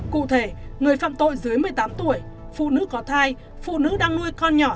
cụ thể người phạm tội dưới một mươi tám tuổi phụ nữ có thai phụ nữ đang nuôi con nhỏ